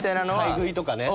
買い食いとかね。